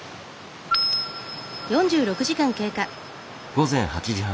午前８時半。